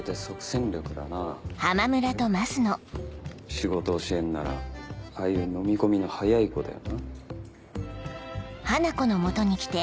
仕事教えんならああいうのみ込みの早い子だよな。